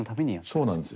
そうなんです。